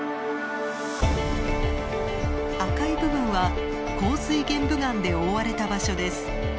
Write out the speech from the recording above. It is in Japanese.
赤い部分は洪水玄武岩で覆われた場所です。